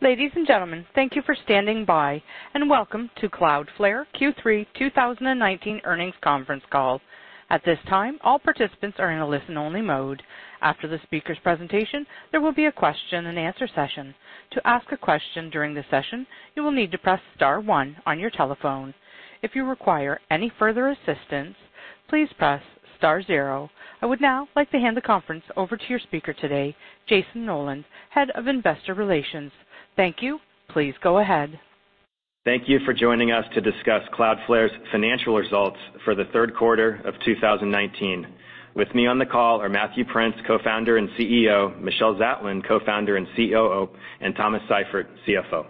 Ladies and gentlemen, thank you for standing by, and welcome to Cloudflare Q3 2019 Earnings Conference Call. At this time, all participants are in listen-only mode. After the speakers' presentation, there will be a question-and-answer session. To ask a question during the session, you will need to press star one on your telephone. If you require any further assistance, please press star zero. I would now like to hand the conference over to your speaker today, Jayson Noland, Head of Investor Relations. Thank you. Please go ahead. Thank you for joining us to discuss Cloudflare's financial results for the 3rd quarter of 2019. With me on the call are Matthew Prince, Co-founder and CEO, Michelle Zatlyn, Co-founder and COO, and Thomas Seifert, CFO.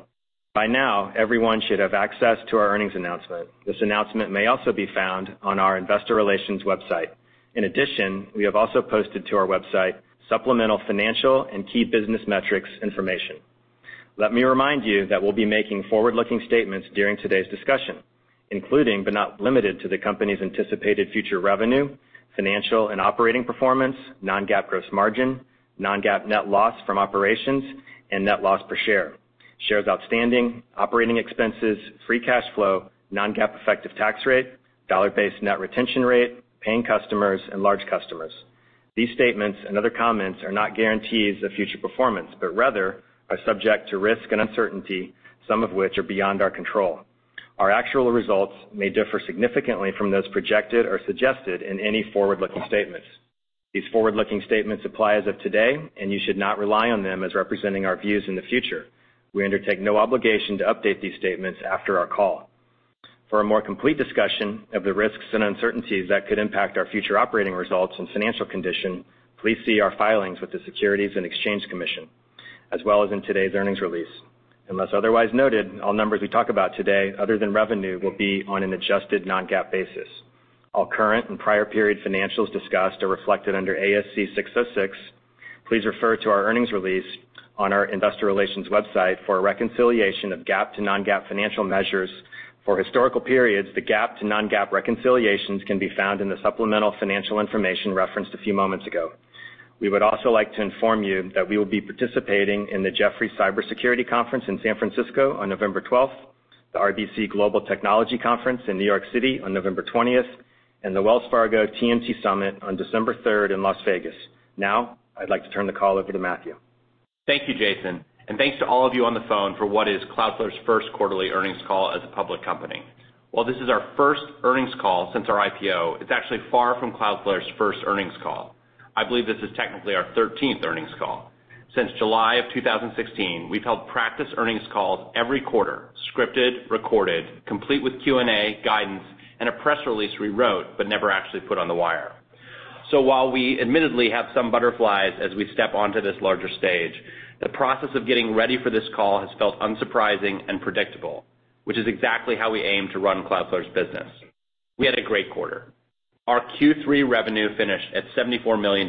By now, everyone should have access to our earnings announcement. This announcement may also be found on our investor relations website. In addition, we have also posted to our website supplemental financial and key business metrics information. Let me remind you that we'll be making forward-looking statements during today's discussion, including, but not limited to the company's anticipated future revenue, financial and operating performance, non-GAAP gross margin, non-GAAP net loss from operations and net loss per share, shares outstanding, operating expenses, free cash flow, non-GAAP effective tax rate, dollar-based net retention rate, paying customers, and large customers. These statements and other comments are not guarantees of future performance, but rather are subject to risk and uncertainty, some of which are beyond our control. Our actual results may differ significantly from those projected or suggested in any forward-looking statements. These forward-looking statements apply as of today, and you should not rely on them as representing our views in the future. We undertake no obligation to update these statements after our call. For a more complete discussion of the risks and uncertainties that could impact our future operating results and financial condition, please see our filings with the Securities and Exchange Commission, as well as in today's earnings release. Unless otherwise noted, all numbers we talk about today other than revenue, will be on an adjusted non-GAAP basis. All current and prior period financials discussed are reflected under ASC 606. Please refer to our earnings release on our investor relations website for a reconciliation of GAAP to non-GAAP financial measures. For historical periods, the GAAP to non-GAAP reconciliations can be found in the supplemental financial information referenced a few moments ago. We would also like to inform you that we will be participating in the Jefferies Cybersecurity Summit in San Francisco on November 12th, the RBC Global Technology Conference in New York City on November 20th, and the Wells Fargo TMT Summit on December 3rd in Las Vegas. I'd like to turn the call over to Matthew. Thank you, Jayson. Thanks to all of you on the phone for what is Cloudflare's first quarterly earnings call as a public company. While this is our first earnings call since our IPO, it's actually far from Cloudflare's first earnings call. I believe this is technically our 13th earnings call. Since July of 2016, we've held practice earnings calls every quarter, scripted, recorded, complete with Q&A, guidance, and a press release we wrote but never actually put on the wire. While we admittedly have some butterflies as we step onto this larger stage, the process of getting ready for this call has felt unsurprising and predictable, which is exactly how we aim to run Cloudflare's business. We had a great quarter. Our Q3 revenue finished at $74 million,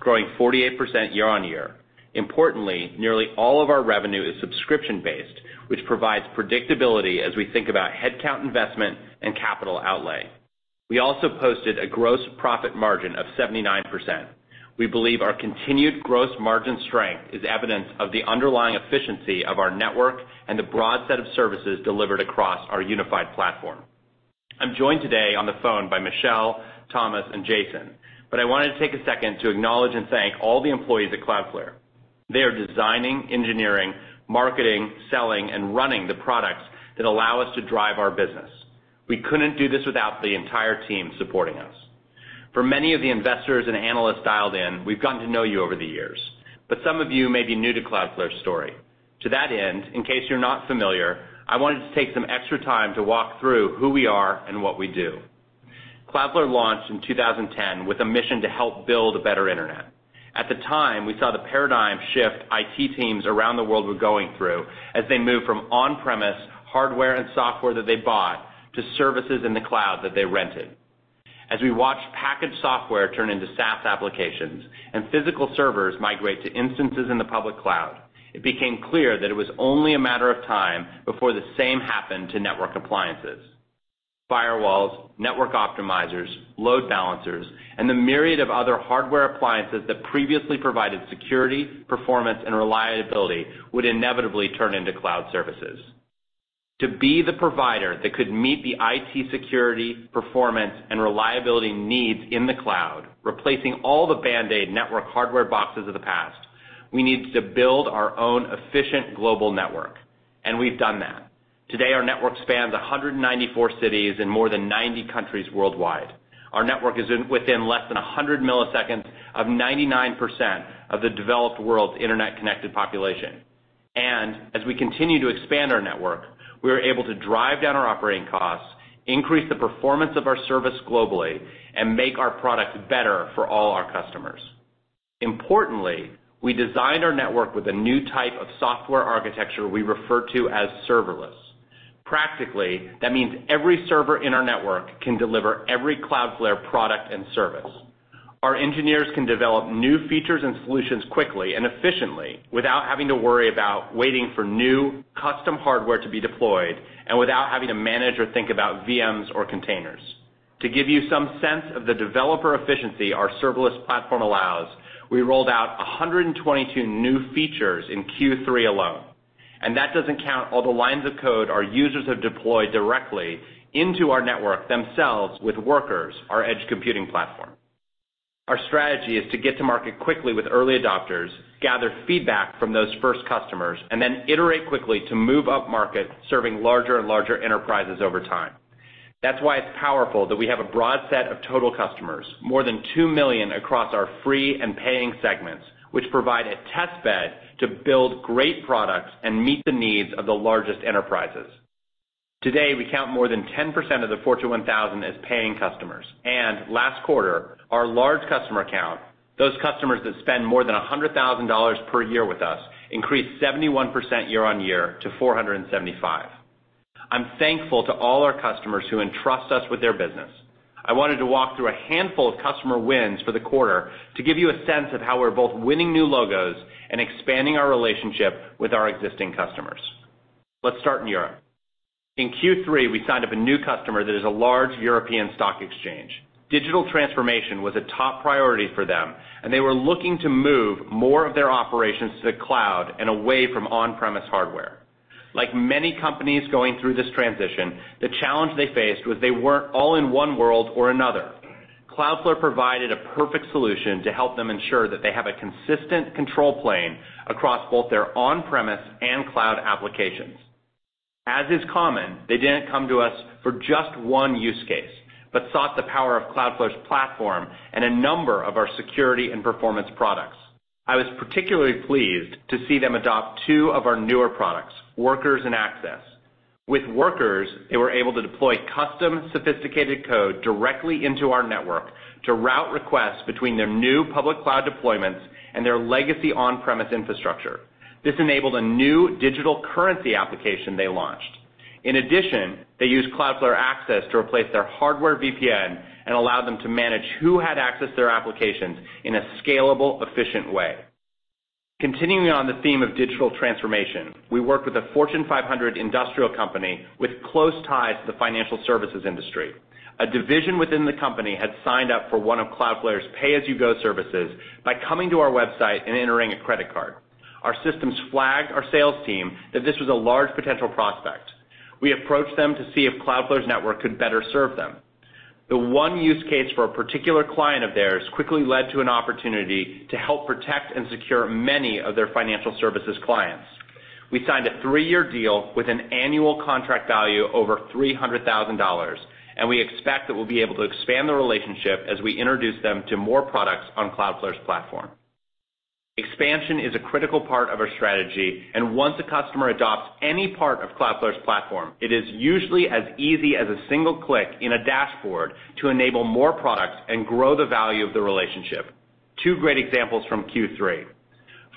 growing 48% year on year. Importantly, nearly all of our revenue is subscription-based, which provides predictability as we think about headcount investment and capital outlay. We also posted a gross profit margin of 79%. We believe our continued gross margin strength is evidence of the underlying efficiency of our network and the broad set of services delivered across our unified platform. I'm joined today on the phone by Michelle, Thomas, and Jayson. I wanted to take a second to acknowledge and thank all the employees at Cloudflare. They are designing, engineering, marketing, selling, and running the products that allow us to drive our business. We couldn't do this without the entire team supporting us. For many of the investors and analysts dialed in, we've gotten to know you over the years, but some of you may be new to Cloudflare's story. To that end, in case you're not familiar, I wanted to take some extra time to walk through who we are and what we do. Cloudflare launched in 2010 with a mission to help build a better Internet. At the time, we saw the paradigm shift IT teams around the world were going through as they moved from on-premise hardware and software that they bought to services in the cloud that they rented. As we watched packaged software turn into SaaS applications and physical servers migrate to instances in the public cloud, it became clear that it was only a matter of time before the same happened to network appliances. Firewalls, network optimizers, load balancers, and the myriad of other hardware appliances that previously provided security, performance, and reliability would inevitably turn into cloud services. To be the provider that could meet the IT security, performance, and reliability needs in the cloud, replacing all the band-aid network hardware boxes of the past, we needed to build our own efficient global network, and we've done that. Today, our network spans 194 cities in more than 90 countries worldwide. Our network is within less than 100 milliseconds of 99% of the developed world's Internet-connected population. As we continue to expand our network, we are able to drive down our operating costs, increase the performance of our service globally, and make our product better for all our customers. Importantly, we designed our network with a new type of software architecture we refer to as serverless. Practically, that means every server in our network can deliver every Cloudflare product and service. Our engineers can develop new features and solutions quickly and efficiently without having to worry about waiting for new custom hardware to be deployed and without having to manage or think about VMs or containers. To give you some sense of the developer efficiency our serverless platform allows, we rolled out 122 new features in Q3 alone, and that doesn't count all the lines of code our users have deployed directly into our network themselves with Workers, our edge computing platform. Our strategy is to get to market quickly with early adopters, gather feedback from those first customers, and then iterate quickly to move upmarket, serving larger and larger enterprises over time. That's why it's powerful that we have a broad set of total customers, more than 2 million across our free and paying segments, which provide a test bed to build great products and meet the needs of the largest enterprises. Today, we count more than 10% of the Fortune 1000 as paying customers, and last quarter, our large customer count, those customers that spend more than $100,000 per year with us, increased 71% year-on-year to 475. I'm thankful to all our customers who entrust us with their business. I wanted to walk through a handful of customer wins for the quarter to give you a sense of how we're both winning new logos and expanding our relationship with our existing customers. Let's start in Europe. In Q3, we signed up a new customer that is a large European stock exchange. Digital transformation was a top priority for them, and they were looking to move more of their operations to the cloud and away from on-premise hardware. Like many companies going through this transition, the challenge they faced was they weren't all in one world or another. Cloudflare provided a perfect solution to help them ensure that they have a consistent control plane across both their on-premise and cloud applications. As is common, they didn't come to us for just one use case, but sought the power of Cloudflare's platform and a number of our security and performance products. I was particularly pleased to see them adopt two of our newer products, Workers and Access. With Workers, they were able to deploy custom sophisticated code directly into our network to route requests between their new public cloud deployments and their legacy on-premise infrastructure. In addition, they used Cloudflare Access to replace their hardware VPN and allow them to manage who had access to their applications in a scalable, efficient way. Continuing on the theme of digital transformation, we worked with a Fortune 500 industrial company with close ties to the financial services industry. A division within the company had signed up for one of Cloudflare's pay-as-you-go services by coming to our website and entering a credit card. Our systems flagged our sales team that this was a large potential prospect. We approached them to see if Cloudflare's network could better serve them. The one use case for a particular client of theirs quickly led to an opportunity to help protect and secure many of their financial services clients. We signed a 3-year deal with an annual contract value over $300,000. We expect that we'll be able to expand the relationship as we introduce them to more products on Cloudflare's platform. Expansion is a critical part of our strategy. Once a customer adopts any part of Cloudflare's platform, it is usually as easy as a single click in a dashboard to enable more products and grow the value of the relationship. Two great examples from Q3.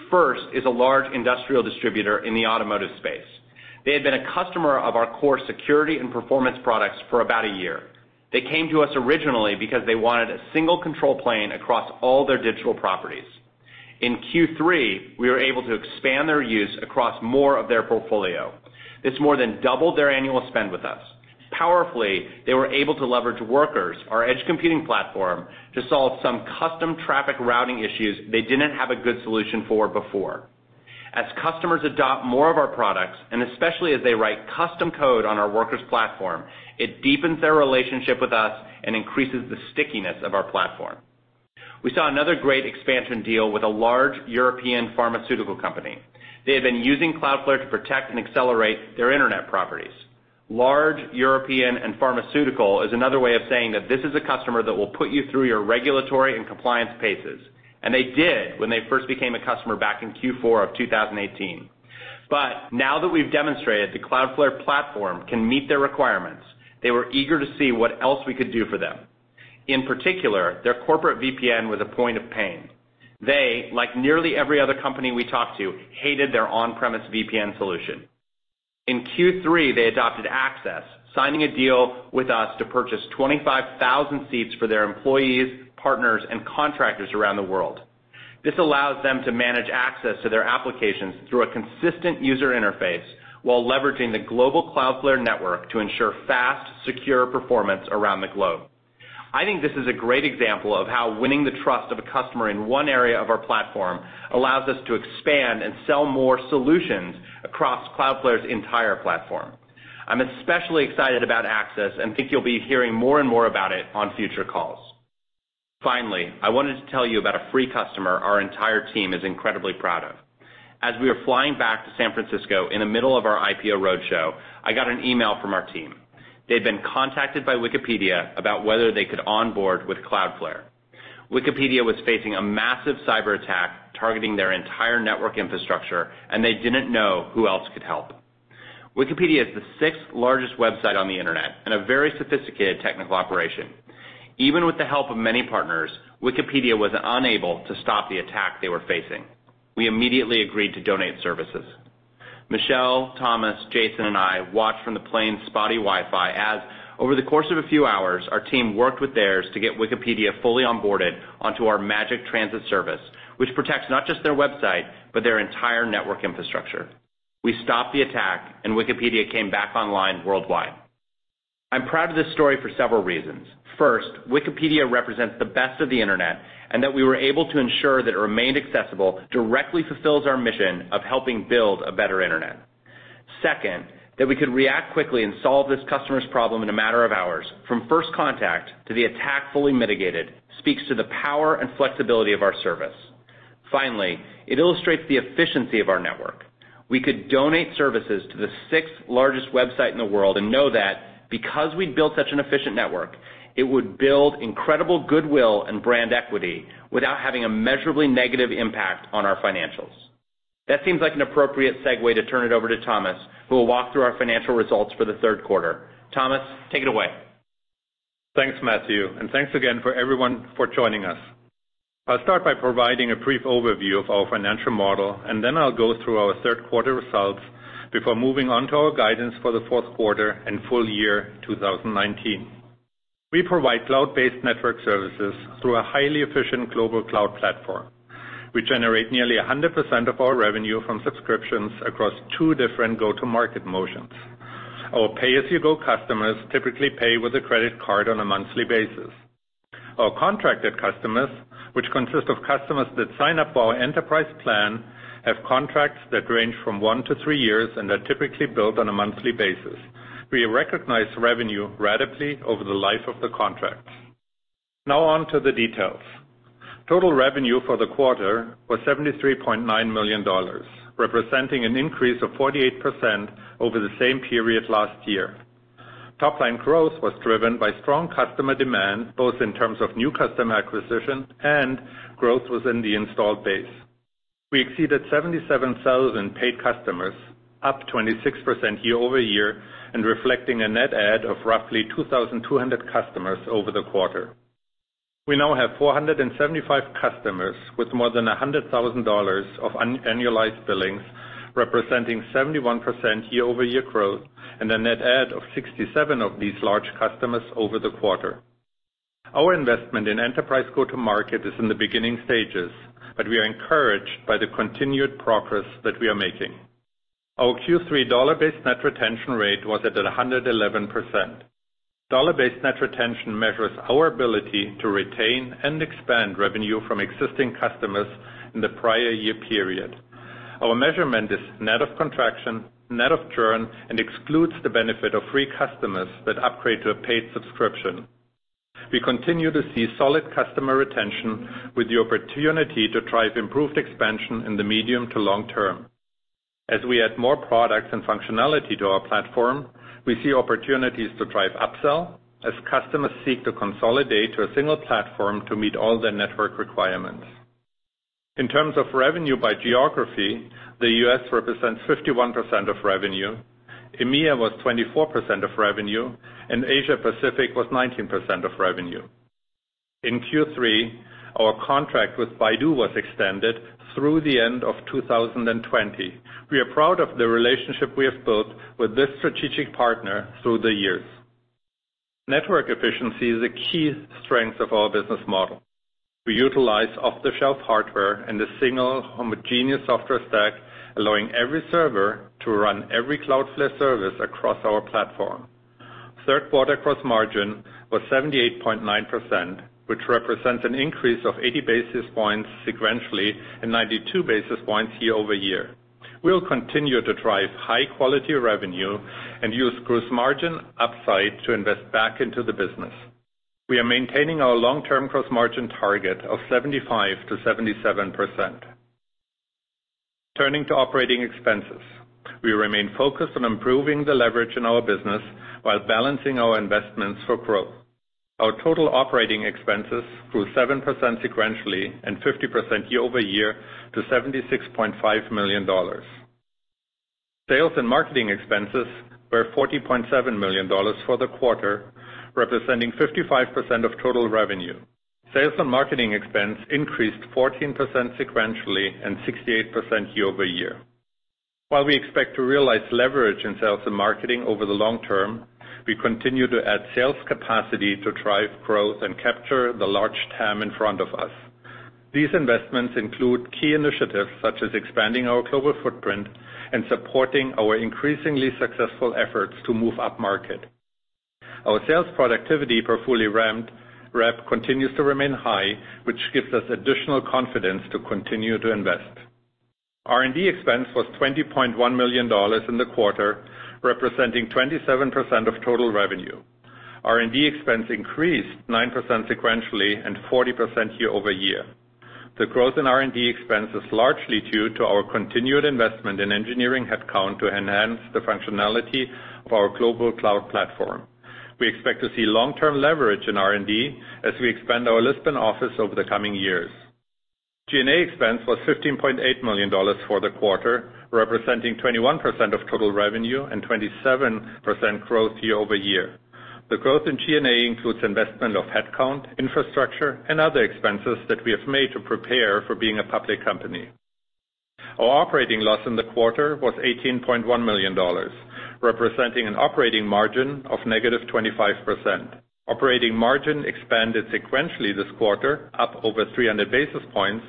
First is a large industrial distributor in the automotive space. They had been a customer of our core security and performance products for about a year. They came to us originally because they wanted a single control plane across all their digital properties. In Q3, we were able to expand their use across more of their portfolio. This more than doubled their annual spend with us. Powerfully, they were able to leverage Workers, our edge computing platform, to solve some custom traffic routing issues they didn't have a good solution for before. As customers adopt more of our products, and especially as they write custom code on our Workers platform, it deepens their relationship with us and increases the stickiness of our platform. We saw another great expansion deal with a large European pharmaceutical company. They had been using Cloudflare to protect and accelerate their internet properties. Large, European, and pharmaceutical is another way of saying that this is a customer that will put you through your regulatory and compliance paces, and they did when they first became a customer back in Q4 of 2018. Now that we've demonstrated the Cloudflare platform can meet their requirements, they were eager to see what else we could do for them. In particular, their corporate VPN was a point of pain. They, like nearly every other company we talked to, hated their on-premise VPN solution. In Q3, they adopted Access, signing a deal with us to purchase 25,000 seats for their employees, partners, and contractors around the world. This allows them to manage access to their applications through a consistent user interface while leveraging the global Cloudflare network to ensure fast, secure performance around the globe. I think this is a great example of how winning the trust of a customer in one area of our platform allows us to expand and sell more solutions across Cloudflare's entire platform. I'm especially excited about Access, and think you'll be hearing more and more about it on future calls. Finally, I wanted to tell you about a free customer our entire team is incredibly proud of. As we were flying back to San Francisco in the middle of our IPO roadshow, I got an email from our team. They'd been contacted by Wikipedia about whether they could onboard with Cloudflare. Wikipedia was facing a massive cyber attack targeting their entire network infrastructure, and they didn't know who else could help. Wikipedia is the sixth-largest website on the Internet and a very sophisticated technical operation. Even with the help of many partners, Wikipedia was unable to stop the attack they were facing. We immediately agreed to donate services. Michelle, Thomas, Jayson, and I watched from the plane's spotty Wi-Fi as, over the course of a few hours, our team worked with theirs to get Wikipedia fully onboarded onto our Magic Transit service, which protects not just their website, but their entire network infrastructure. We stopped the attack, and Wikipedia came back online worldwide. I'm proud of this story for several reasons. First, Wikipedia represents the best of the Internet, and that we were able to ensure that it remained accessible directly fulfills our mission of helping build a better Internet. Second, that we could react quickly and solve this customer's problem in a matter of hours from first contact to the attack fully mitigated speaks to the power and flexibility of our service. It illustrates the efficiency of our network. We could donate services to the 6th-largest website in the world and know that because we'd built such an efficient network, it would build incredible goodwill and brand equity without having a measurably negative impact on our financials. That seems like an appropriate segue to turn it over to Thomas, who will walk through our financial results for the 3rd quarter. Thomas, take it away. Thanks, Matthew, and thanks again for everyone for joining us. I'll start by providing a brief overview of our financial model, and then I'll go through our third quarter results before moving on to our guidance for the fourth quarter and full year 2019. We provide cloud-based network services through a highly efficient global cloud platform. We generate nearly 100% of our revenue from subscriptions across two different go-to-market motions. Our pay-as-you-go customers typically pay with a credit card on a monthly basis. Our contracted customers, which consist of customers that sign up for our enterprise plan, have contracts that range from 1-3 years and are typically billed on a monthly basis. We recognize revenue ratably over the life of the contract. Now on to the details. Total revenue for the quarter was $73.9 million, representing an increase of 48% over the same period last year. Topline growth was driven by strong customer demand, both in terms of new customer acquisition and growth within the installed base. We exceeded 77,000 paid customers, up 26% year-over-year, and reflecting a net add of roughly 2,200 customers over the quarter. We now have 475 customers with more than $100,000 of annualized billings representing 71% year-over-year growth and a net add of 67 of these large customers over the quarter. Our investment in enterprise go-to-market is in the beginning stages, but we are encouraged by the continued progress that we are making. Our Q3 dollar-based net retention rate was at 111%. Dollar-based net retention measures our ability to retain and expand revenue from existing customers in the prior year period. Our measurement is net of contraction, net of churn, and excludes the benefit of free customers that upgrade to a paid subscription. We continue to see solid customer retention with the opportunity to drive improved expansion in the medium to long term. As we add more products and functionality to our platform, we see opportunities to drive upsell as customers seek to consolidate to a single platform to meet all their network requirements. In terms of revenue by geography, the U.S. represents 51% of revenue, EMEA was 24% of revenue, and Asia Pacific was 19% of revenue. In Q3, our contract with Baidu was extended through the end of 2020. We are proud of the relationship we have built with this strategic partner through the years. Network efficiency is a key strength of our business model. We utilize off-the-shelf hardware and a single homogeneous software stack, allowing every server to run every Cloudflare service across our platform. Third quarter gross margin was 78.9%, which represents an increase of 80 basis points sequentially and 92 basis points year-over-year. We will continue to drive high-quality revenue and use gross margin upside to invest back into the business. We are maintaining our long-term gross margin target of 75%-77%. Turning to operating expenses. We remain focused on improving the leverage in our business while balancing our investments for growth. Our total operating expenses grew 7% sequentially and 50% year-over-year to $76.5 million. Sales and marketing expenses were $40.7 million for the quarter, representing 55% of total revenue. Sales and marketing expense increased 14% sequentially and 68% year-over-year. While we expect to realize leverage in sales and marketing over the long term, we continue to add sales capacity to drive growth and capture the large TAM in front of us. These investments include key initiatives such as expanding our global footprint and supporting our increasingly successful efforts to move upmarket. Our sales productivity per fully ramped rep continues to remain high, which gives us additional confidence to continue to invest. R&D expense was $20.1 million in the quarter, representing 27% of total revenue. R&D expense increased 9% sequentially and 40% year-over-year. The growth in R&D expense is largely due to our continued investment in engineering headcount to enhance the functionality of our global cloud platform. We expect to see long-term leverage in R&D as we expand our Lisbon office over the coming years. G&A expense was $15.8 million for the quarter, representing 21% of total revenue and 27% growth year-over-year. The growth in G&A includes investment of headcount, infrastructure, and other expenses that we have made to prepare for being a public company. Our operating loss in the quarter was $18.1 million, representing an operating margin of -25%. Operating margin expanded sequentially this quarter, up over 300 basis points,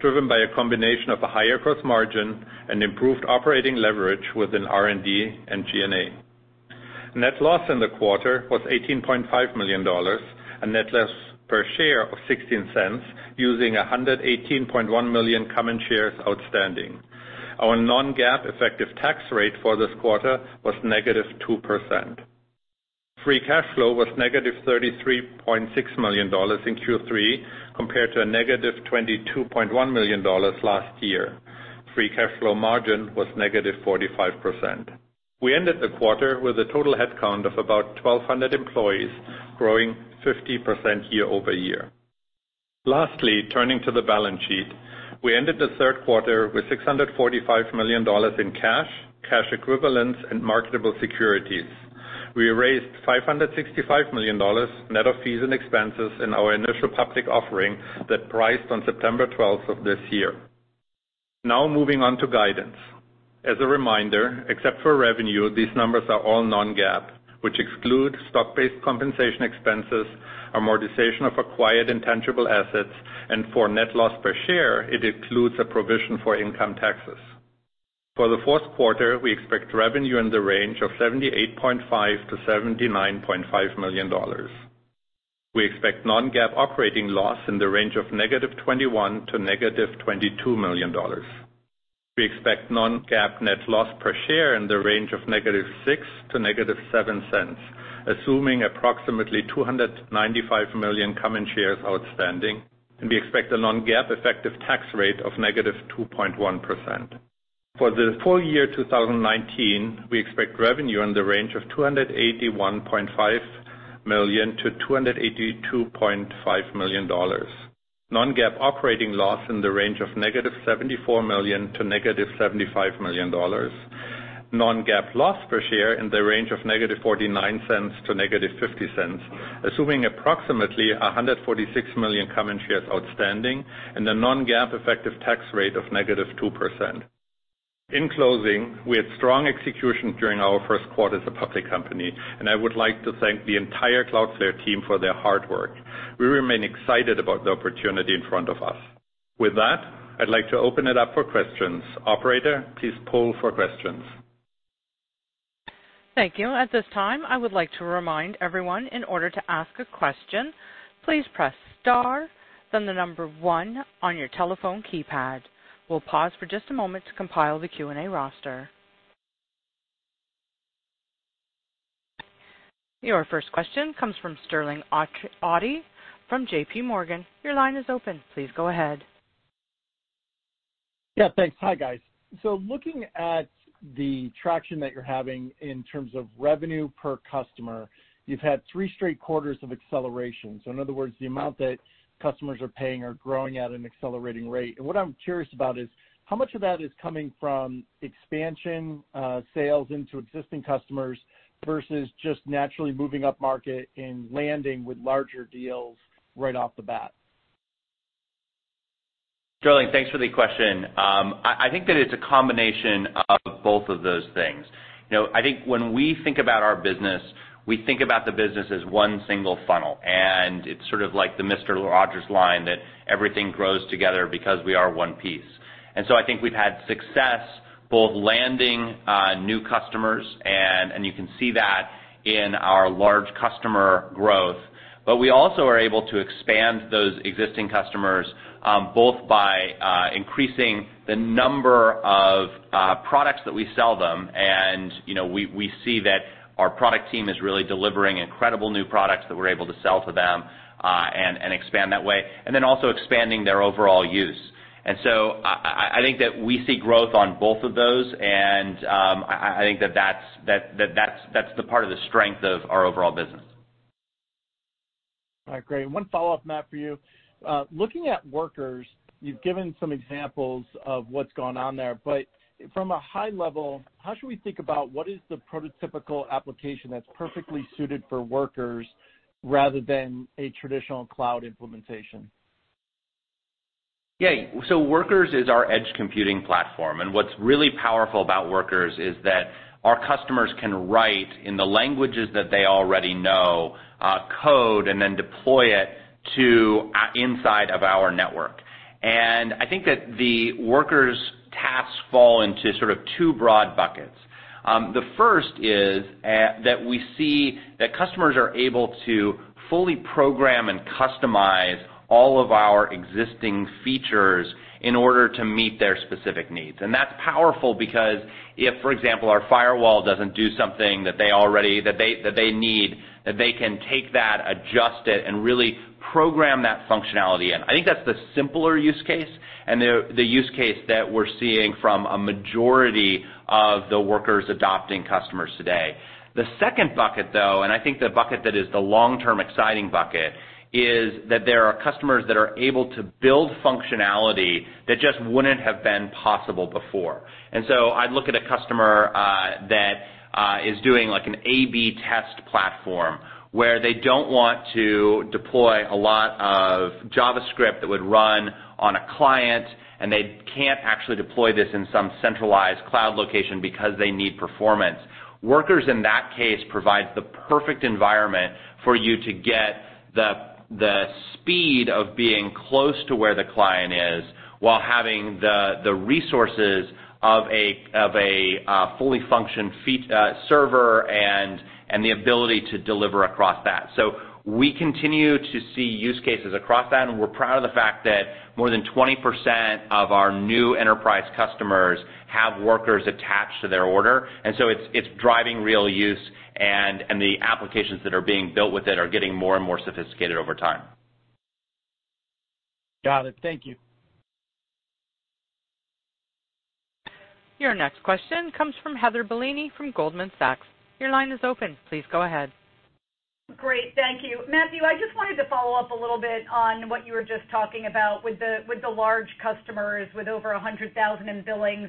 driven by a combination of a higher gross margin and improved operating leverage within R&D and G&A. Net loss in the quarter was $18.5 million, a net loss per share of $0.16 using 118.1 million common shares outstanding. Our non-GAAP effective tax rate for this quarter was -2%. Free cash flow was -$33.6 million in Q3 compared to a -$22.1 million last year. Free cash flow margin was -45%. We ended the quarter with a total headcount of about 1,200 employees, growing 50% year-over-year. Lastly, turning to the balance sheet. We ended the third quarter with $645 million in cash equivalents, and marketable securities. We raised $565 million net of fees and expenses in our initial public offering that priced on September 12 of this year. Now moving on to guidance. As a reminder, except for revenue, these numbers are all non-GAAP, which exclude stock-based compensation expenses, amortization of acquired intangible assets, and for net loss per share, it includes a provision for income taxes. For the fourth quarter, we expect revenue in the range of $78.5 million-$79.5 million. We expect non-GAAP operating loss in the range of -$21 million to -$22 million. We expect non-GAAP net loss per share in the range of -$0.06 to -$0.07, assuming approximately 295 million common shares outstanding, and we expect a non-GAAP effective tax rate of -2.1%. For the full year 2019, we expect revenue in the range of $281.5 million-$282.5 million. Non-GAAP operating loss in the range of -$74 million to -$75 million. Non-GAAP loss per share in the range of -$0.49 to -$0.50, assuming approximately 146 million common shares outstanding and a non-GAAP effective tax rate of -2%. In closing, we had strong execution during our first quarter as a public company, and I would like to thank the entire Cloudflare team for their hard work. We remain excited about the opportunity in front of us. With that, I'd like to open it up for questions. Operator, please poll for questions. Thank you. At this time, I would like to remind everyone in order to ask a question, please press star, then the number one on your telephone keypad. We'll pause for just a moment to compile the Q&A roster. Your first question comes from Sterling Auty from JPMorgan. Your line is open. Please go ahead. Yeah, thanks. Hi, guys. Looking at the traction that you're having in terms of revenue per customer, you've had three straight quarters of acceleration. In other words, the amount that customers are paying are growing at an accelerating rate. What I'm curious about is how much of that is coming from expansion sales into existing customers versus just naturally moving upmarket and landing with larger deals right off the bat? Sterling, thanks for the question. I think that it's a combination of both of those things. You know, I think when we think about our business, we think about the business as one single funnel, and it's sort of like the Fred Rogers line, that everything grows together because we are one piece. So I think we've had success both landing new customers and you can see that in our large customer growth. We also are able to expand those existing customers, both by increasing the number of products that we sell them. You know, we see that our product team is really delivering incredible new products that we're able to sell to them and expand that way, then also expanding their overall use. I think that we see growth on both of those, and I think that that's the part of the strength of our overall business. All right, great. One follow-up, Matthew. Looking at Cloudflare Workers, you've given some examples of what's gone on there. From a high level, how should we think about what is the prototypical application that's perfectly suited for Cloudflare Workers rather than a traditional cloud implementation? Yeah. Workers is our edge computing platform, and what's really powerful about Workers is that our customers can write in the languages that they already know, code and then deploy it to inside of our network. I think that the Workers tasks fall into sort of 2 broad buckets. The first is that we see that customers are able to fully program and customize all of our existing features in order to meet their specific needs. That's powerful because if, for example, our firewall doesn't do something that they need, that they can take that, adjust it, and really program that functionality in. I think that's the simpler use case and the use case that we're seeing from a majority of the Workers adopting customers today. The second bucket, though, and I think the bucket that is the long-term exciting bucket, is that there are customers that are able to build functionality that just wouldn't have been possible before. I'd look at a customer that is doing like an A/B test platform where they don't want to deploy a lot of JavaScript that would run on a client, and they can't actually deploy this in some centralized cloud location because they need performance. Workers in that case provides the perfect environment for you to get the speed of being close to where the client is while having the resources of a fully functioned server and the ability to deliver across that. We continue to see use cases across that, and we're proud of the fact that more than 20% of our new enterprise customers have Workers attached to their order. It's driving real use and the applications that are being built with it are getting more and more sophisticated over time. Got it. Thank you. Your next question comes from Heather Bellini from Goldman Sachs. Your line is open. Please go ahead. Great. Thank you. Matthew, I just wanted to follow up a little bit on what you were just talking about with the, with the large customers with over $100,000 in billings.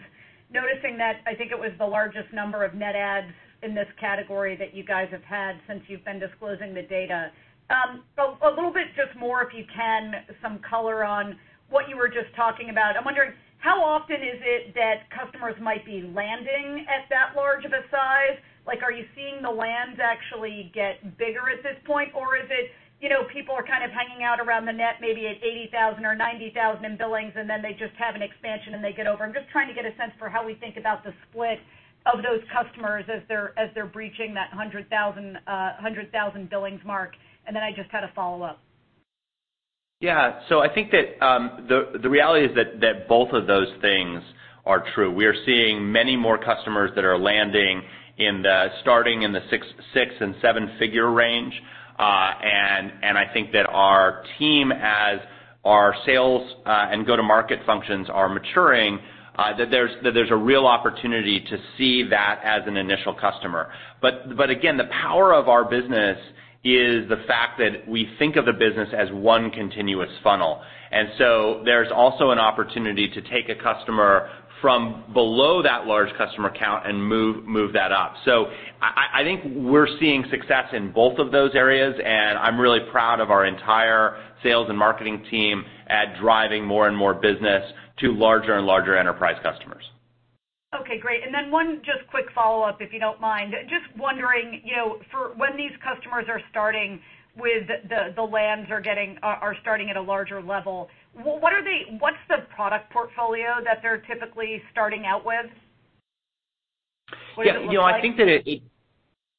Noticing that I think it was the largest number of net adds in this category that you guys have had since you've been disclosing the data. A little bit just more, if you can, some color on what you were just talking about. I'm wondering how often is it that customers might be landing at that large of a size? Like, are you seeing the lands actually get bigger at this point? Or is it, you know, people are kind of hanging out around the net, maybe at $80,000 or $90,000 in billings, and then they just have an expansion, and they get over? I'm just trying to get a sense for how we think about the split of those customers as they're breaching that 100,000 billings mark. Then I just had a follow-up. I think that the reality is that both of those things are true. We are seeing many more customers that are landing starting in the 6 and 7-figure range. I think that our team, as our sales and go-to-market functions are maturing, that there's a real opportunity to see that as an initial customer. Again, the power of our business is the fact that we think of the business as one continuous funnel. There's also an opportunity to take a customer from below that large customer count and move that up. I think we're seeing success in both of those areas, and I'm really proud of our entire sales and marketing team at driving more and more business to larger and larger enterprise customers. Okay, great. One just quick follow-up, if you don't mind. Just wondering, you know, for when these customers are starting with the lands are starting at a larger level, what's the product portfolio that they're typically starting out with? What does it look like? Yeah. You know, I think that it.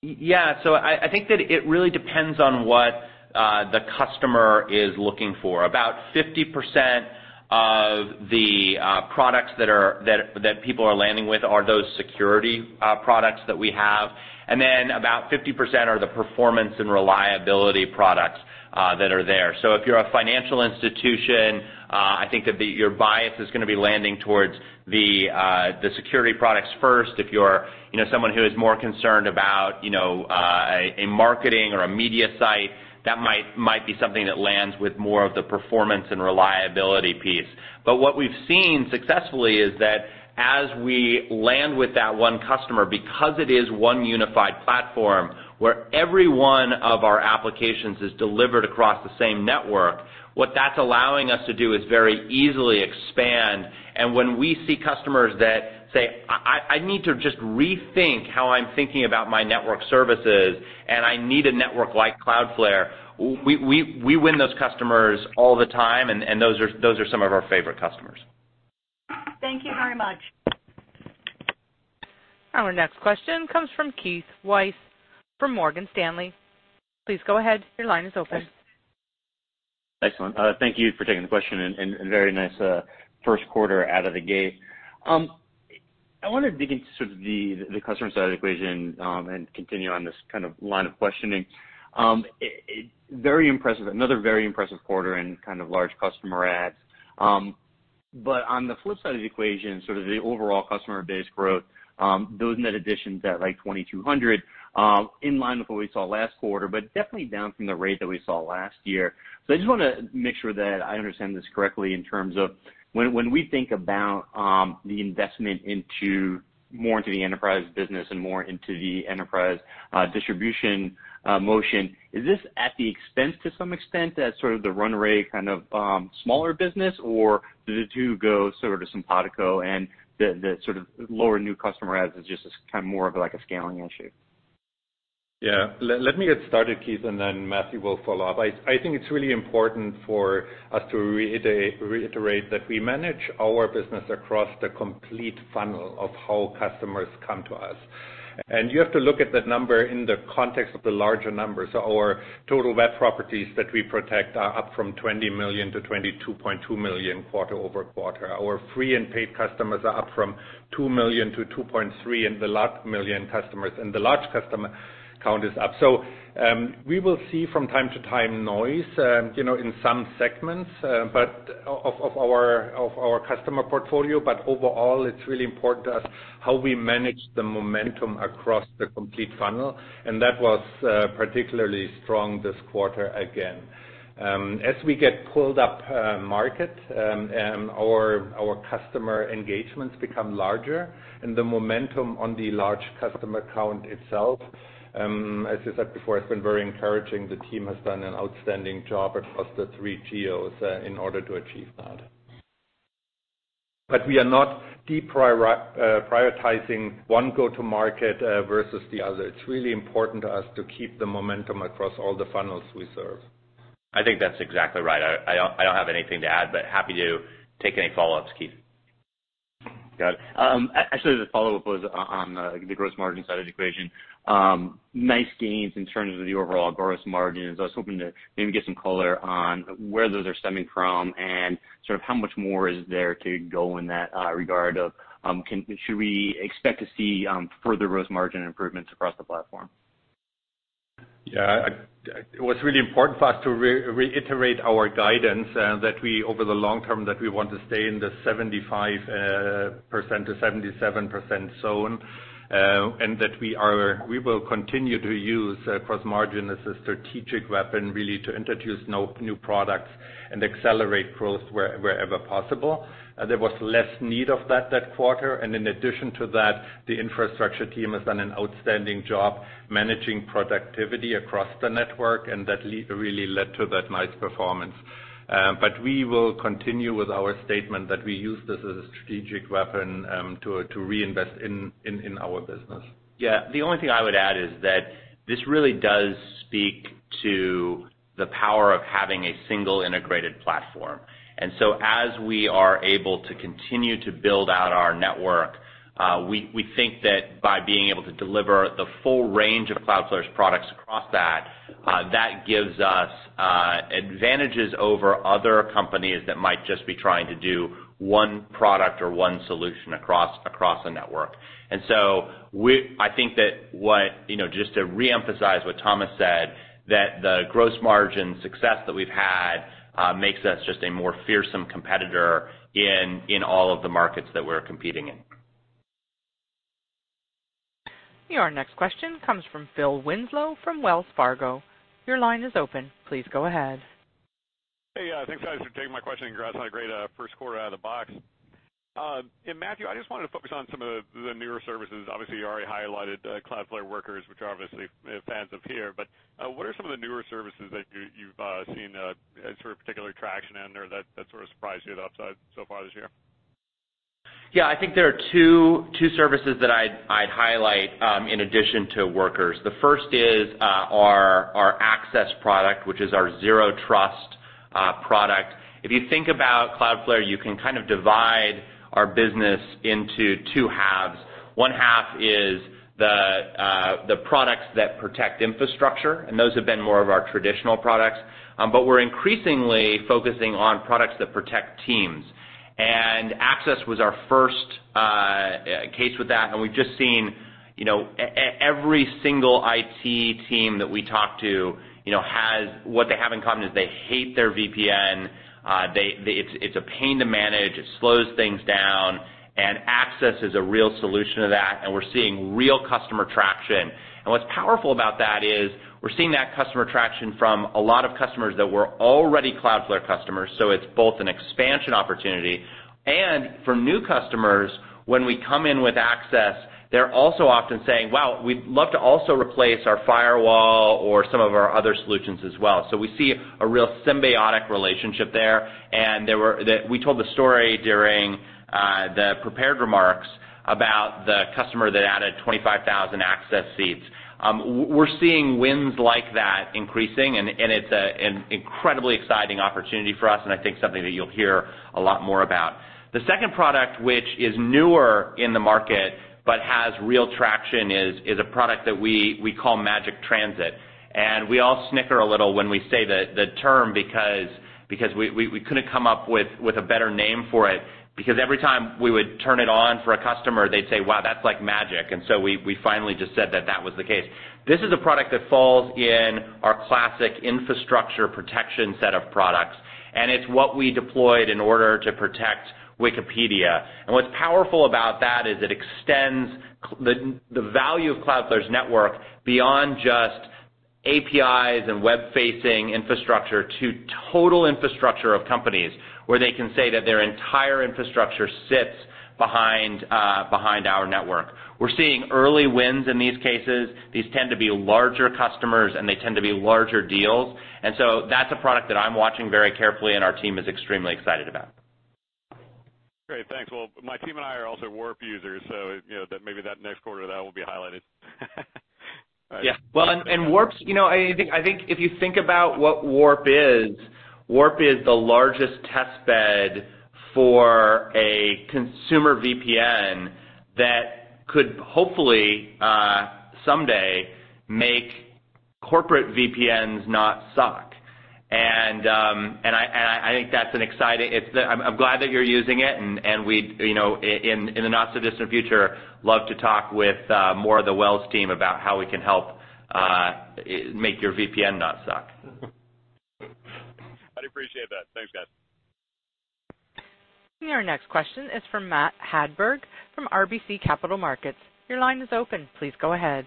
I think that it really depends on what the customer is looking for. About 50% of the products that people are landing with are those security products that we have. Then about 50% are the performance and reliability products that are there. If you're a financial institution, I think that your bias is gonna be landing towards the security products first. If you're, you know, someone who is more concerned about, you know, a marketing or a media site, that might be something that lands with more of the performance and reliability piece. What we've seen successfully is that as we land with that one customer, because it is one unified platform where every one of our applications is delivered across the same network, what that's allowing us to do is very easily expand. When we see customers that say, "I need to just rethink how I'm thinking about my network services, and I need a network like Cloudflare," we win those customers all the time, and those are some of our favorite customers. Thank you very much. Our next question comes from Keith Weiss from Morgan Stanley. Please go ahead. Your line is open. Excellent. Thank you for taking the question, and very nice first quarter out of the gate. I wanted to get into sort of the customer side of the equation, and continue on this kind of line of questioning. Very impressive. Another very impressive quarter and kind of large customer adds. On the flip side of the equation, sort of the overall customer base growth, those net additions at, like, 2,200, in line with what we saw last quarter, but definitely down from the rate that we saw last year. I just wanna make sure that I understand this correctly in terms of when we think about the investment into more into the enterprise business and more into the enterprise distribution motion, is this at the expense to some extent that sort of the run rate kind of smaller business, or do the two go sort of simpatico and the sort of lower new customer adds is just as kind of more of like a scaling issue? Let me get started, Keith, and then Matthew will follow up. I think it's really important for us to reiterate that we manage our business across the complete funnel of how customers come to us. You have to look at that number in the context of the larger numbers. Our total web properties that we protect are up from 20 million-22.2 million quarter-over-quarter. Our free and paid customers are up from 2 million-2.3 million and the large customer count is up. We will see from time to time noise, you know, in some segments, but of our customer portfolio. Overall, it's really important to us how we manage the momentum across the complete funnel, and that was particularly strong this quarter again. As we get pulled up market, and our customer engagements become larger and the momentum on the large customer count itself, as I said before, has been very encouraging. The team has done an outstanding job across the three geos in order to achieve that. We are not deprioritizing one go-to-market versus the other. It's really important to us to keep the momentum across all the funnels we serve. I think that's exactly right. I don't have anything to add, but happy to take any follow-ups, Keith. Got it. Actually, the follow-up was on the gross margin side of the equation. Nice gains in terms of the overall gross margins. I was hoping to maybe get some color on where those are stemming from and sort of how much more is there to go in that regard of, should we expect to see further gross margin improvements across the platform? It was really important for us to reiterate our guidance that we, over the long term, that we want to stay in the 75%-77% zone, and that we will continue to use gross margin as a strategic weapon, really to introduce new products and accelerate growth wherever possible. There was less need of that that quarter. In addition to that, the infrastructure team has done an outstanding job managing productivity across the network, and that really led to that nice performance. We will continue with our statement that we use this as a strategic weapon to reinvest in our business. Yeah. The only thing I would add is that this really does speak to the power of having a single integrated platform. As we are able to continue to build out our network, we think that by being able to deliver the full range of Cloudflare's products across that gives us advantages over other companies that might just be trying to do one product or one solution across a network. I think that what You know, just to reemphasize what Thomas said, that the gross margin success that we've had, makes us just a more fearsome competitor in all of the markets that we're competing in. Your next question comes from Phil Winslow from Wells Fargo. Your line is open. Please go ahead. Hey, thanks, guys, for taking my question, congrats on a great first quarter out of the box. Matthew, I just wanted to focus on some of the newer services. Obviously, you already highlighted Cloudflare Workers, which are obviously fans of here. What are some of the newer services that you've seen sort of particular traction in or that sort of surprised you at upside so far this year? Yeah. I think there are two services that I'd highlight in addition to Workers. The first is our Access product, which is our Zero Trust product. If you think about Cloudflare, you can kind of divide our business into two halves. One half is the products that protect infrastructure, and those have been more of our traditional products. We're increasingly focusing on products that protect teams. Access was our first case with that, and we've just seen, you know, every single IT team that we talk to, you know, has What they have in common is they hate their VPN. It's a pain to manage. It slows things down. Access is a real solution to that, and we're seeing real customer traction. What's powerful about that is we're seeing that customer traction from a lot of customers that were already Cloudflare customers, so it's both an expansion opportunity. For new customers, when we come in with Access, they're also often saying, "Wow, we'd love to also replace our firewall or some of our other solutions as well." We see a real symbiotic relationship there. We told the story during the prepared remarks about the customer that added 25,000 Access seats. We're seeing wins like that increasing, and it's an incredibly exciting opportunity for us, and I think something that you'll hear a lot more about. The second product, which is newer in the market but has real traction, is a product that we call Magic Transit. We all snicker a little when we say the term because we couldn't come up with a better name for it, because every time we would turn it on for a customer, they'd say, "Wow, that's like magic." We finally just said that that was the case. This is a product that falls in our classic infrastructure protection set of products, and it's what we deployed in order to protect Wikipedia. What's powerful about that is it extends the value of Cloudflare's network beyond just APIs and web-facing infrastructure to total infrastructure of companies, where they can say that their entire infrastructure sits behind our network. We're seeing early wins in these cases. These tend to be larger customers, and they tend to be larger deals. That's a product that I'm watching very carefully and our team is extremely excited about. Great. Thanks. Well, my team and I are also WARP users, so you know, that maybe that next quarter that will be highlighted. Yeah. Well, WARP, I think if you think about what WARP is, WARP is the largest test bed for a consumer VPN that could hopefully someday make corporate VPNs not suck. I'm glad that you're using it, and we'd in the not so distant future, love to talk with more of the Wells team about how we can help make your VPN not suck. I'd appreciate that. Thanks, guys. Your next question is from Matthew Hedberg from RBC Capital Markets. Your line is open please. Go ahead.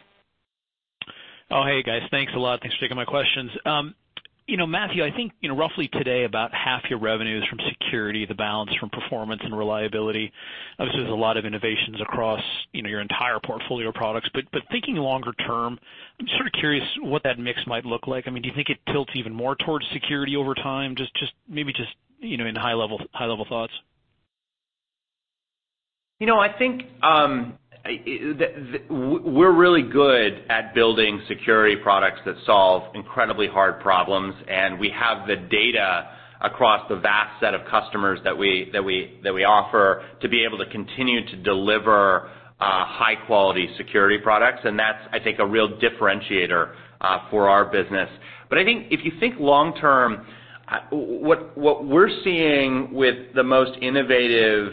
Oh, hey, guys. Thanks a lot. Thanks for taking my questions. You know, Matthew, I think, you know, roughly today about half your revenue is from security, the balance from performance and reliability. Obviously, there's a lot of innovations across, you know, your entire portfolio of products. Thinking longer term, I'm sort of curious what that mix might look like. I mean, do you think it tilts even more towards security over time? Just maybe just, you know, in high level thoughts. You know, I think, we're really good at building security products that solve incredibly hard problems, and we have the data across the vast set of customers that we offer to be able to continue to deliver high-quality security products. That's, I think, a real differentiator for our business. I think if you think long term, what we're seeing with the most innovative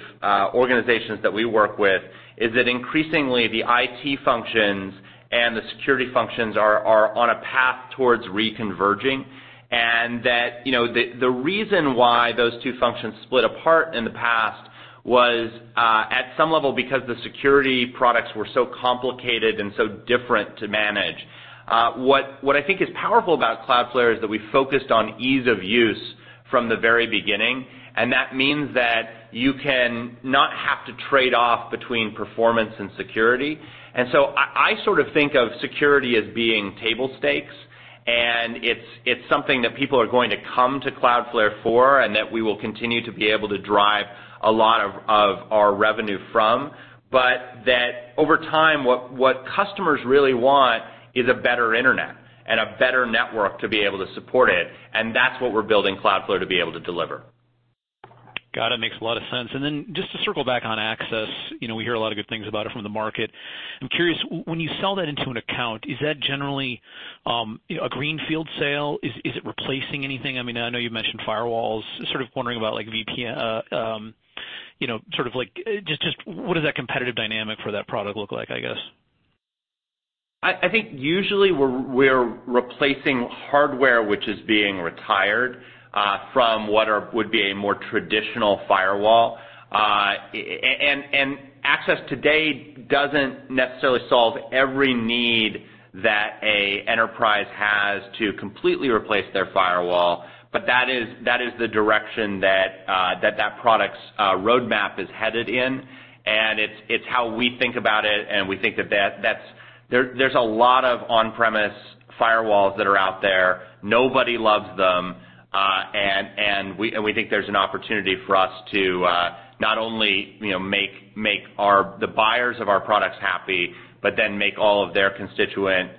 organizations that we work with is that increasingly the IT functions and the security functions are on a path towards reconverging, you know, the reason why those two functions split apart in the past was at some level because the security products were so complicated and so different to manage. What I think is powerful about Cloudflare is that we focused on ease of use from the very beginning, and that means that you can not have to trade off between performance and security. I sort of think of security as being table stakes, and it's something that people are going to come to Cloudflare for and that we will continue to be able to drive a lot of our revenue from. Over time, what customers really want is a better internet and a better network to be able to support it, and that's what we're building Cloudflare to be able to deliver. Got it. Makes a lot of sense. Just to circle back on Access, you know, we hear a lot of good things about it from the market. I'm curious, when you sell that into an account, is that generally, you know, a greenfield sale? Is it replacing anything? I mean, I know you mentioned firewalls. Sort of wondering about like, you know, sort of like, just what does that competitive dynamic for that product look like, I guess? I think usually we're replacing hardware which is being retired from what would be a more traditional firewall. Cloudflare Access today doesn't necessarily solve every need that an enterprise has to completely replace their firewall, but that is, that is the direction that that product's roadmap is headed in. It's how we think about it, and we think that's. There's a lot of on-premise firewalls that are out there. Nobody loves them. We think there's an opportunity for us to not only, you know, make the buyers of our products happy, but then make all of their constituent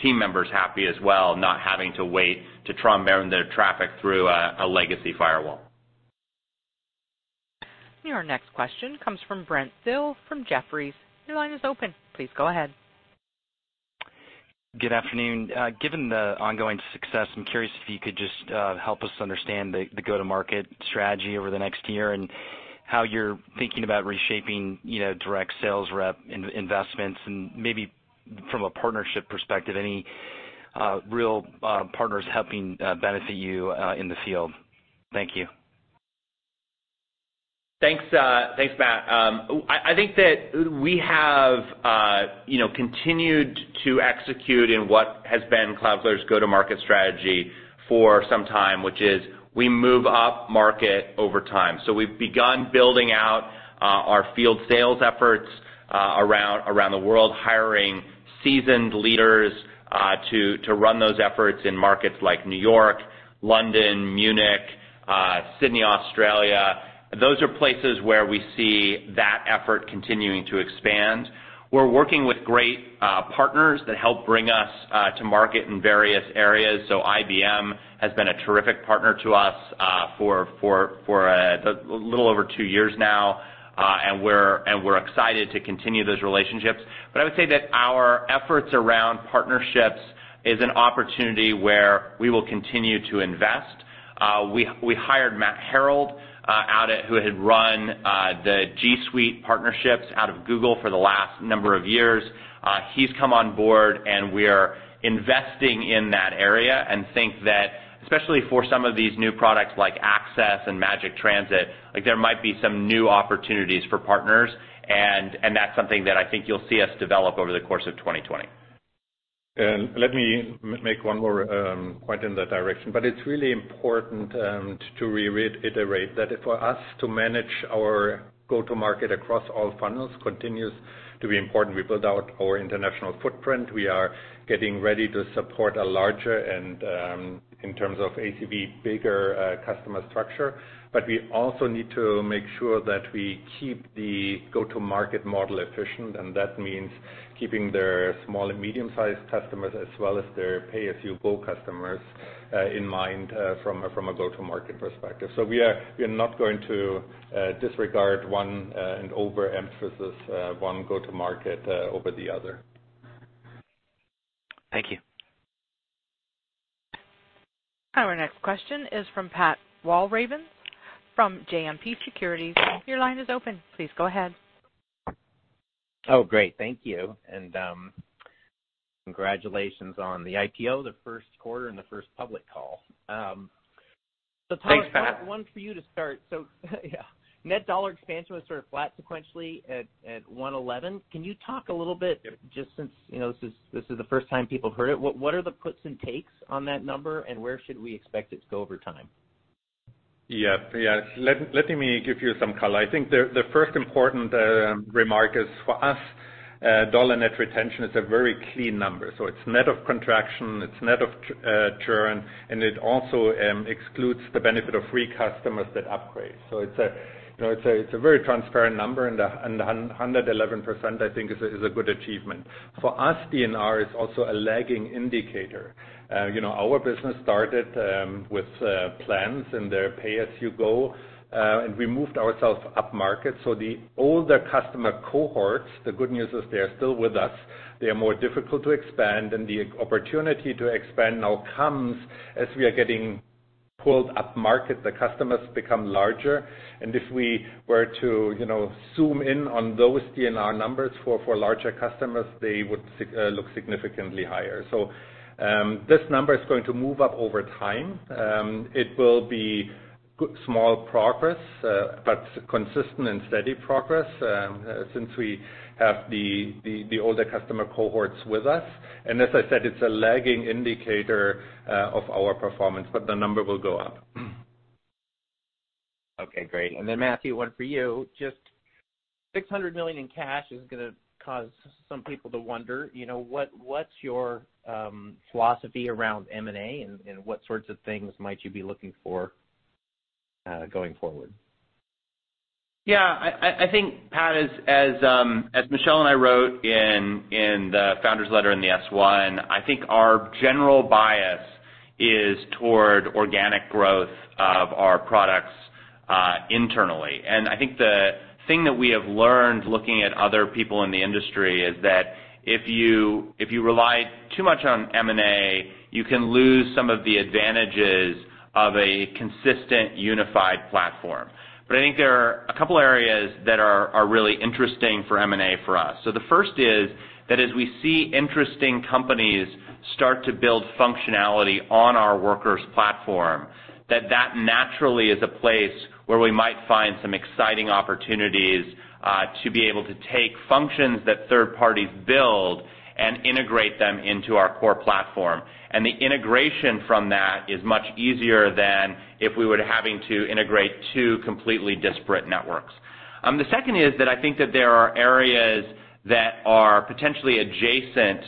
team members happy as well, not having to wait to try and burn their traffic through a legacy firewall. Your next question comes from Brent Thill from Jefferies. Your line is open. Please go ahead. Good afternoon. Given the ongoing success, I'm curious if you could just help us understand the go-to-market strategy over the next year and how you're thinking about reshaping, you know, direct sales rep investments and maybe from a partnership perspective, any real partners helping benefit you in the field. Thank you. Thanks, thanks, Matt. I think that we have, you know, continued to execute in what has been Cloudflare's go-to-market strategy for some time, which is we move upmarket over time. We've begun building out our field sales efforts around the world, hiring seasoned leaders to run those efforts in markets like New York, London, Munich, Sydney, Australia. Those are places where we see that effort continuing to expand. We're working with great partners that help bring us to market in various areas. IBM has been a terrific partner to us for a little over two years now, and we're excited to continue those relationships. I would say that our efforts around partnerships is an opportunity where we will continue to invest. We hired Matt Harrell, who had run the G Suite partnerships out of Google for the last number of years. He's come on board, and we're investing in that area and think that especially for some of these new products like Access and Magic Transit, like, there might be some new opportunities for partners, and that's something that I think you'll see us develop over the course of 2020. Let me make one more point in that direction. It's really important to reiterate that for us to manage our go-to-market across all funnels continues to be important. We build out our international footprint. We are getting ready to support a larger and in terms of ACV, bigger customer structure. We also need to make sure that we keep the go-to-market model efficient, and that means keeping their small and medium-sized customers as well as their pay-as-you-go customers in mind from a go-to-market perspective. We are not going to disregard one and overemphasize one go-to-market over the other. Thank you. Our next question is from Pat Walravens from JMP Securities. Your line is open. Please go ahead. Oh, great. Thank you. Congratulations on the IPO, the first quarter and the first public call. Thanks, Pat. One for you to start. Yeah. Net dollar expansion was sort of flat sequentially at 111%. Can you talk a little bit just since, you know, this is the first time people heard it, what are the puts and takes on that number, and where should we expect it to go over time? Yeah, yeah. Let me give you some color. I think the first important remark is for us, dollar net retention is a very clean number. It's net of contraction, it's net of churn, and it also excludes the benefit of free customers that upgrade. It's a, you know, it's a very transparent number and a 111% I think is a good achievement. For us, DNR is also a lagging indicator. You know, our business started with plans and their pay-as-you-go, and we moved ourselves upmarket. The older customer cohorts, the good news is they are still with us. They are more difficult to expand. The opportunity to expand now comes as we are getting pulled upmarket, the customers become larger. If we were to, you know, zoom in on those DNR numbers for larger customers, they would look significantly higher. This number is going to move up over time. It will be small progress, but consistent and steady progress, since we have the older customer cohorts with us. As I said, it's a lagging indicator of our performance, but the number will go up. Okay, great. Matthew, one for you. Just $600 million in cash is going to cause some people to wonder, you know, what is your philosophy around M&A and what sorts of things might you be looking for going forward? Yeah. I think, Pat, as Michelle and I wrote in the founder's letter in the S-1, I think our general bias is toward organic growth of our products internally. I think the thing that we have learned looking at other people in the industry is that if you rely too much on M&A, you can lose some of the advantages of a consistent unified platform. I think there are a couple areas that are really interesting for M&A for us. The first is that as we see interesting companies start to build functionality on our Workers platform, that naturally is a place where we might find some exciting opportunities to be able to take functions that third parties build and integrate them into our core platform. The integration from that is much easier than if we were having to integrate two completely disparate networks. The second is that I think that there are areas that are potentially adjacent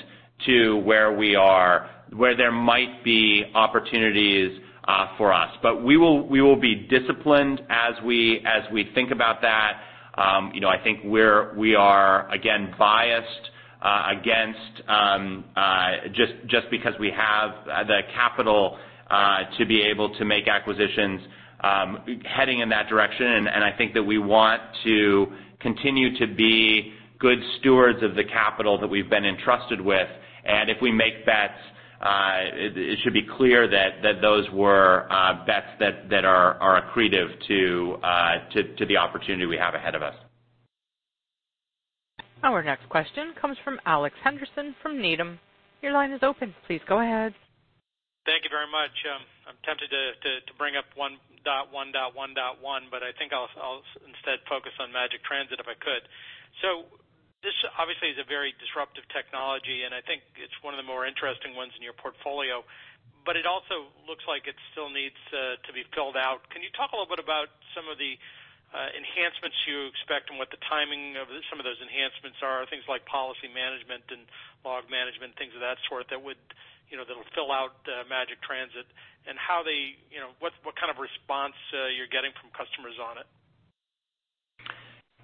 to where we are, where there might be opportunities for us. We will be disciplined as we think about that. You know, I think we are again biased against just because we have the capital to be able to make acquisitions heading in that direction. I think that we want to continue to be good stewards of the capital that we've been entrusted with. If we make bets, it should be clear that those were bets that are accretive to the opportunity we have ahead of us. Our next question comes from Alex Henderson from Needham. Your line is open. Please go ahead. Thank you very much. I'm tempted to bring up 1.1.1.1, but I think I'll instead focus on Magic Transit if I could. This obviously is a very disruptive technology, and I think it's one of the more interesting ones in your portfolio, but it also looks like it still needs to be filled out. Can you talk a little bit about some of the enhancements you expect and what the timing of some of those enhancements are? Things like policy management and log management, things of that sort that would, you know, that'll fill out Magic Transit, and how they, you know, what kind of response you're getting from customers on it.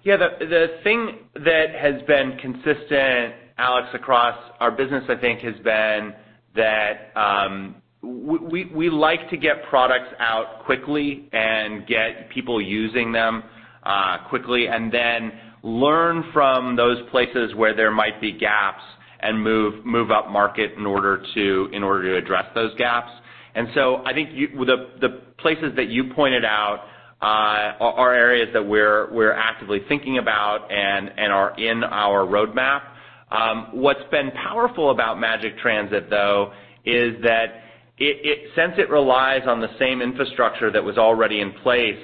The thing that has been consistent, Alex, across our business, I think, has been that we like to get products out quickly and get people using them quickly, and then learn from those places where there might be gaps and move upmarket in order to address those gaps. I think with the places that you pointed out are areas that we're actively thinking about and are in our roadmap. What's been powerful about Magic Transit though is that since it relies on the same infrastructure that was already in place,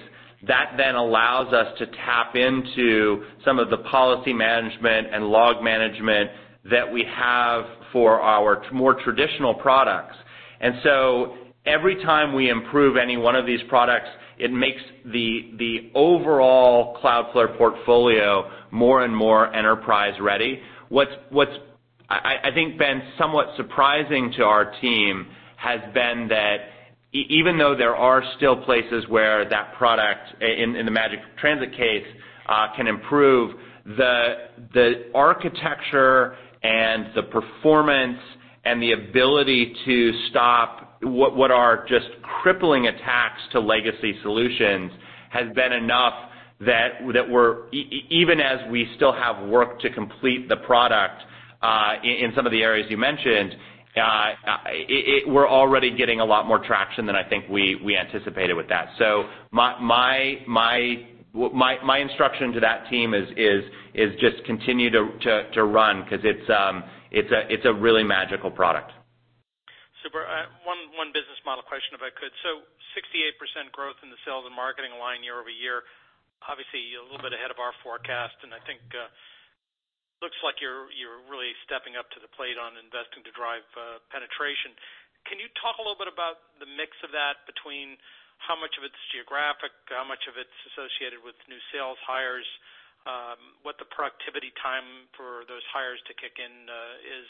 that then allows us to tap into some of the policy management and log management that we have for our more traditional products. Every time we improve any one of these products, it makes the overall Cloudflare portfolio more and more enterprise ready. What's I think been somewhat surprising to our team has been that even though there are still places where that product in the Magic Transit case, can improve the architecture and the performance and the ability to stop what are just crippling attacks to legacy solutions has been enough that we're even as we still have work to complete the product, in some of the areas you mentioned, we're already getting a lot more traction than I think we anticipated with that. My instruction to that team is just continue to run 'cause it's a really magical product. Super. One business model question if I could. 68% growth in the sales and marketing line year-over-year, obviously a little bit ahead of our forecast. I think you're really stepping up to the plate on investing to drive penetration. Can you talk a little bit about the mix of that between how much of it's geographic, how much of it's associated with new sales hires, what the productivity time for those hires to kick in is,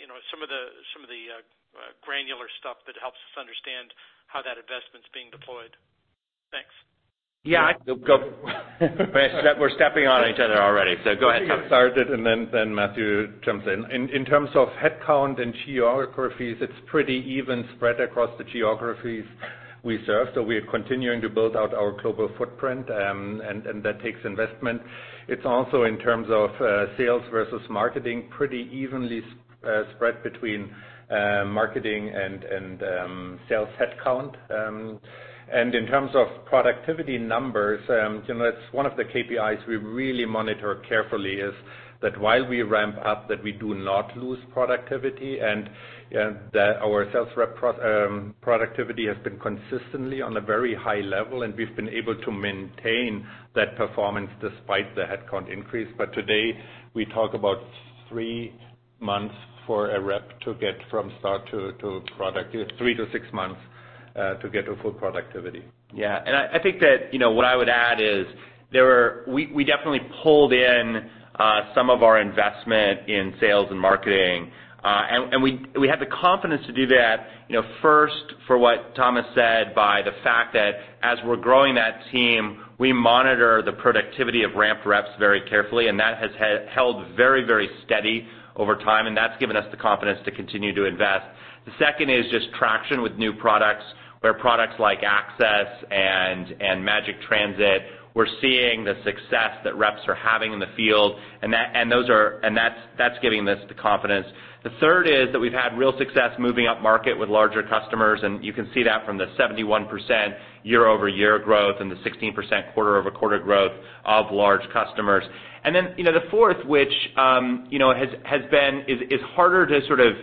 you know, some of the, some of the granular stuff that helps us understand how that investment's being deployed? Thanks. Yeah. Yeah. Go. We're stepping on each other already. Go ahead, Thomas. I'll get started and then Matthew jumps in. In terms of headcount and geographies, it's pretty even spread across the geographies we serve. We are continuing to build out our global footprint, and that takes investment. It's also in terms of sales versus marketing, pretty evenly spread between marketing and sales headcount. In terms of productivity numbers, you know, it's one of the KPIs we really monitor carefully is that while we ramp up, that we do not lose productivity and that our sales rep productivity has been consistently on a very high level, and we've been able to maintain that performance despite the headcount increase. Today, we talk about three months for a rep to get from start to productivity, three to six months to get to full productivity. I think that, you know, what I would add is we definitely pulled in some of our investment in sales and marketing, and we had the confidence to do that, you know, first for what Thomas said, by the fact that as we're growing that team, we monitor the productivity of ramped reps very carefully, and that has held very, very steady over time, and that's given us the confidence to continue to invest. The second is just traction with new products, where products like Access and Magic Transit, we're seeing the success that reps are having in the field, and that's giving this the confidence. The third is that we've had real success moving up market with larger customers, and you can see that from the 71% year-over-year growth and the 16% quarter-over-quarter growth of large customers. You know, the fourth which, you know, has been harder to sort of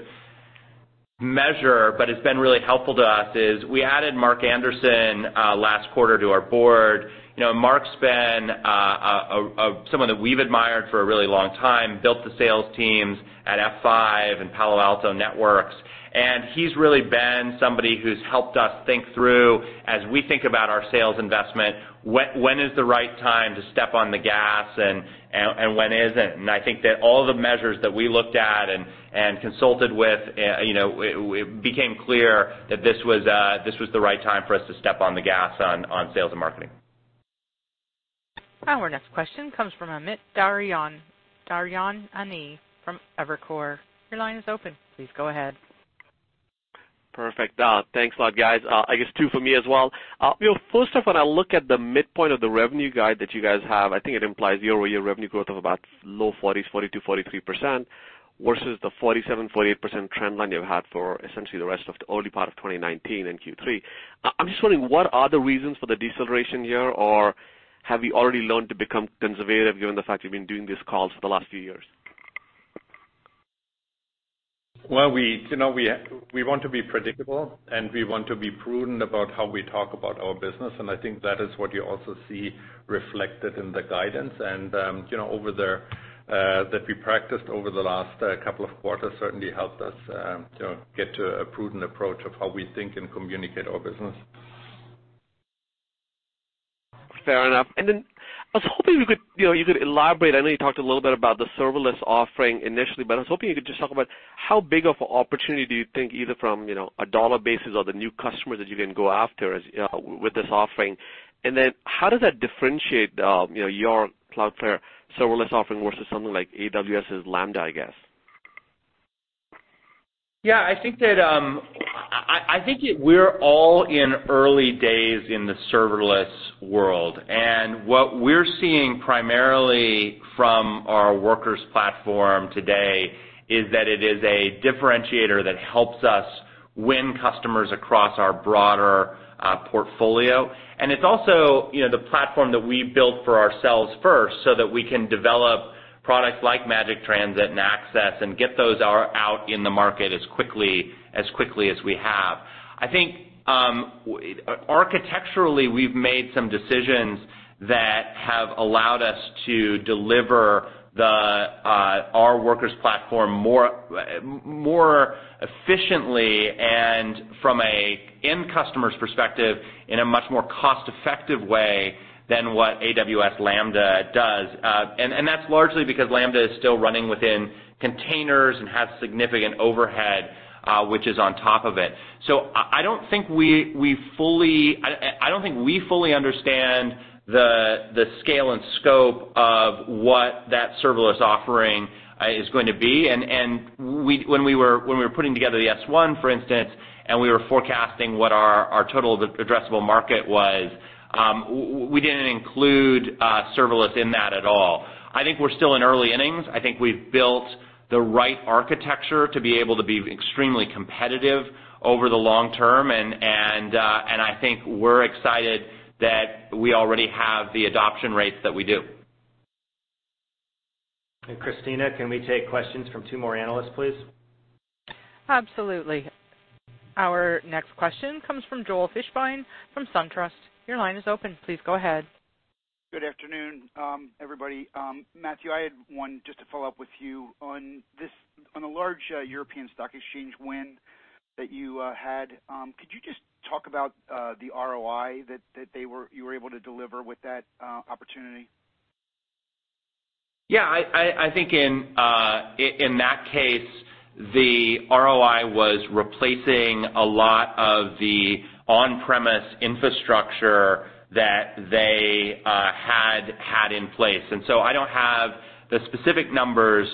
measure but has been really helpful to us is we added Mark Anderson last quarter to our board. You know, Mark's been a someone that we've admired for a really long time, built the sales teams at F5 and Palo Alto Networks, and he's really been somebody who's helped us think through as we think about our sales investment, when is the right time to step on the gas and when isn't. I think that all the measures that we looked at and consulted with, you know, it became clear that this was the right time for us to step on the gas on sales and marketing. Our next question comes from Amit Daryanani from Evercore. Your line is open. Please go ahead. Perfect. thanks a lot, guys. I guess two for me as well. you know, first off, when I look at the midpoint of the revenue guide that you guys have, I think it implies year-over-year revenue growth of about low 40s, 40%-43% versus the 47%-48% trend line you've had for essentially the rest of the early part of 2019 and Q3. I'm just wondering, what are the reasons for the deceleration here, or have you already learned to become conservative given the fact you've been doing these calls for the last few years? Well, we, you know, we want to be predictable, and we want to be prudent about how we talk about our business, and I think that is what you also see reflected in the guidance. You know, over there, that we practiced over the last couple of quarters certainly helped us, you know, get to a prudent approach of how we think and communicate our business. Fair enough. I was hoping you could, you know, you could elaborate. I know you talked a little bit about the serverless offering initially, but I was hoping you could just talk about how big of an opportunity do you think either from, you know, a dollar basis or the new customers that you can go after as with this offering? How does that differentiate, you know, your Cloudflare serverless offering versus something like AWS Lambda, I guess? Yeah. I think that we're all in early days in the serverless world. What we're seeing primarily from our Workers platform today is that it is a differentiator that helps us win customers across our broader portfolio. It's also, you know, the platform that we built for ourselves first so that we can develop products like Magic Transit and Access and get those out in the market as quickly as we have. I think architecturally, we've made some decisions that have allowed us to deliver our Workers platform more efficiently and from an end customer's perspective, in a much more cost-effective way than what AWS Lambda does. That's largely because Lambda is still running within containers and has significant overhead which is on top of it. I don't think we fully understand the scale and scope of what that serverless offering is going to be. When we were putting together the S-1, for instance, and we were forecasting what our total addressable market was, we didn't include serverless in that at all. I think we're still in early innings. I think we've built the right architecture to be able to be extremely competitive over the long term, and I think we're excited that we already have the adoption rates that we do. Christina, can we take questions from 2 more analysts, please? Absolutely. Our next question comes from Joel Fishbein from SunTrust. Your line is open. Please go ahead. Good afternoon, everybody. Matthew, I had one just to follow up with you on the large European stock exchange win that you had. Could you just talk about the ROI that you were able to deliver with that opportunity? I think in that case, the ROI was replacing a lot of the on-premise infrastructure that they had in place. I don't have the specific numbers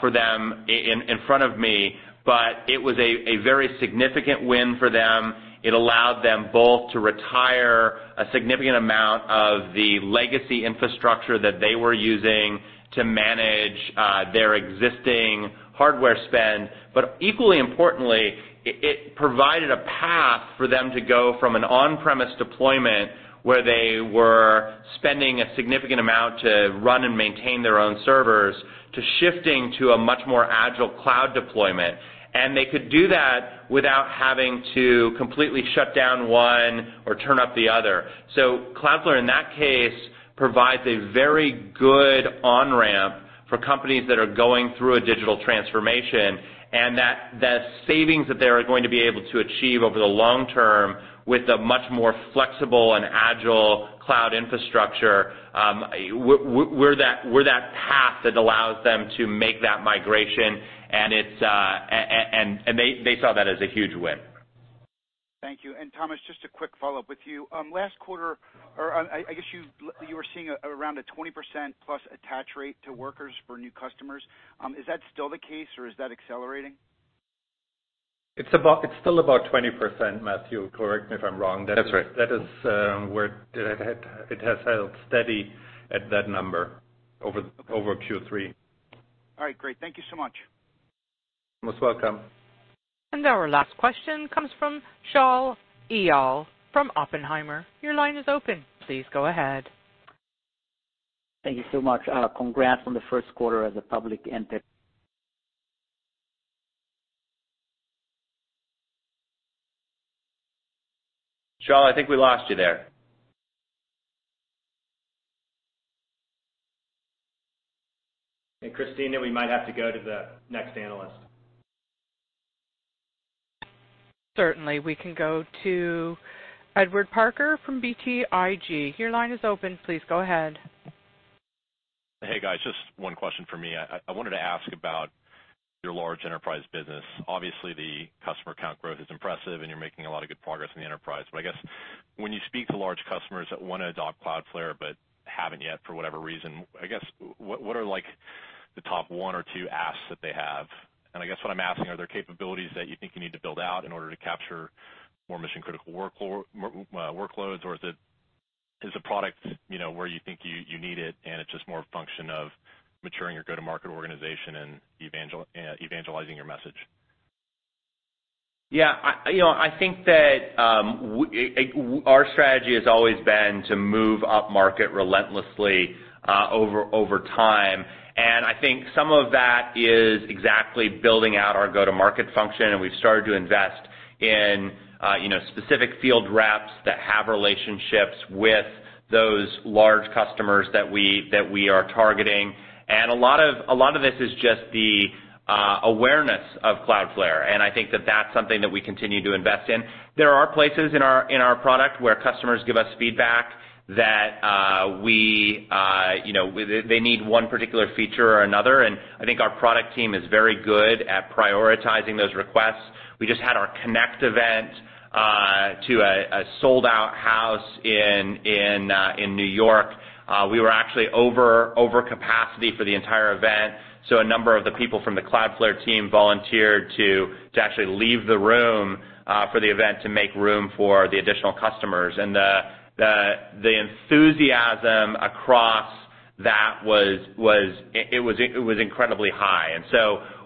for them in front of me, but it was a very significant win for them. It allowed them both to retire a significant amount of the legacy infrastructure that they were using to manage their existing hardware spend. Equally importantly, it provided a path for them to go from an on-premise deployment where they were spending a significant amount to run and maintain their own servers, to shifting to a much more agile cloud deployment. They could do that without having to completely shut down one or turn up the other. Cloudflare, in that case, provides a very good on-ramp for companies that are going through a digital transformation and that, the savings that they are going to be able to achieve over the long term with a much more flexible and agile cloud infrastructure. We're that path that allows them to make that migration and it's, they saw that as a huge win. Thank you. Thomas, just a quick follow-up with you. last quarter, or I guess you were seeing around a 20% plus attach rate to Workers for new customers. Is that still the case or is that accelerating? It's still about 20%, Matthew, correct me if I'm wrong? That's right. That is, where it has held steady at that number over Q3. All right, great. Thank you so much. Most welcome. Our last question comes from Shaul Eyal from Oppenheimer. Your line is open. Please go ahead. Thank you so much. Congrats on the first quarter as a public entity. Shaul, I think we lost you there. Christina, we might have to go to the next analyst. Certainly. We can go to Edward Parker from BTIG. Your line is open. Please go ahead. Hey, guys. Just 1 question from me. I wanted to ask about your large enterprise business. Obviously, the customer count growth is impressive, and you're making a lot of good progress in the enterprise. I guess when you speak to large customers that wanna adopt Cloudflare but haven't yet for whatever reason, I guess what are like the top one or two asks that they have? I guess what I'm asking, are there capabilities that you think you need to build out in order to capture more mission-critical workloads? Or is the product, you know, where you think you need it and it's just more a function of maturing your go-to-market organization and evangelizing your message? Yeah, I, you know, I think that our strategy has always been to move upmarket relentlessly, over time. I think some of that is exactly building out our go-to-market function, and we've started to invest in, you know, specific field reps that have relationships with those large customers that we are targeting. A lot of this is just the awareness of Cloudflare, and I think that that's something that we continue to invest in. There are places in our product where customers give us feedback that we, you know, they need one particular feature or another, and I think our product team is very good at prioritizing those requests. We just had our Connect event to a sold-out house in New York. We were actually over capacity for the entire event, so a number of the people from the Cloudflare team volunteered to actually leave the room for the event to make room for the additional customers. The enthusiasm across that it was incredibly high.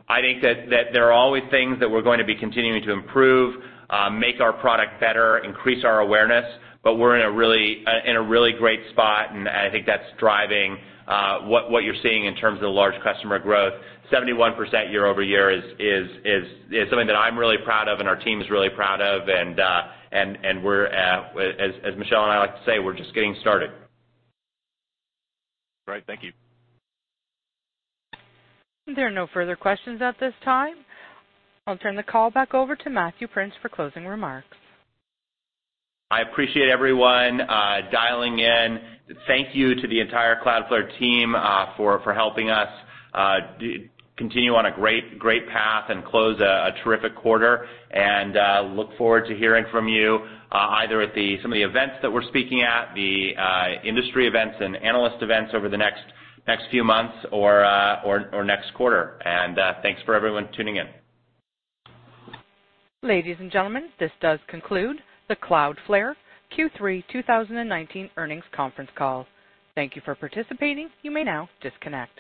I think that there are always things that we're going to be continuing to improve, make our product better, increase our awareness, but we're in a really great spot, and I think that's driving what you're seeing in terms of the large customer growth. 71% year-over-year is something that I'm really proud of and our team is really proud of and we're as Michelle and I like to say, we're just getting started. Great. Thank you. There are no further questions at this time. I'll turn the call back over to Matthew Prince for closing remarks. I appreciate everyone dialing in. Thank you to the entire Cloudflare team for helping us continue on a great path and close a terrific quarter. Look forward to hearing from you either at some of the events that we're speaking at, the industry events and analyst events over the next few months or next quarter. Thanks for everyone tuning in. Ladies and gentlemen, this does conclude the Cloudflare Q3 2019 Earnings Conference Call. Thank you for participating. You may now disconnect.